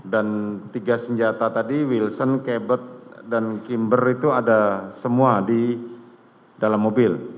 dan tiga senjata tadi wilson cabot dan kimber itu ada semua di dalam mobil